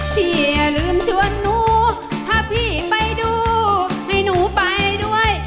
อย่าลืมชวนหนูถ้าพี่ไปดูให้หนูไปด้วย